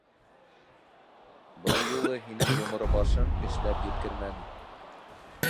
Ьыл юлы һинең йоморо башың эшләп еткермәне.